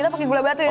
pake gula batu ya